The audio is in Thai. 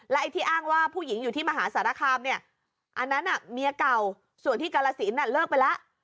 ไอ้ที่อ้างว่าผู้หญิงอยู่ที่มหาสารคามเนี่ยอันนั้นเมียเก่าส่วนที่กาลสินเลิกไปแล้ว